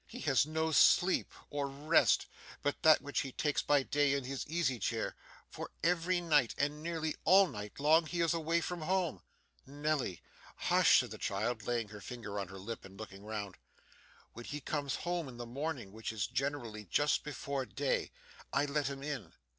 He has no sleep or rest, but that which he takes by day in his easy chair; for every night and nearly all night long he is away from home.' 'Nelly!' 'Hush!' said the child, laying her finger on her lip and looking round. 'When he comes home in the morning, which is generally just before day, I let him in.